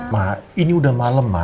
ma ini udah malem ma